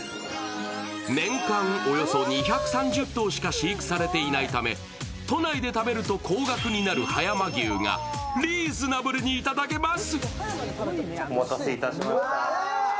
年間およそ２３０頭しか飼育されていないため、都内で食べると高額な葉山牛がリーズナブルにいただけます。